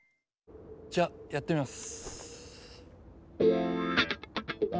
じゃやってみます。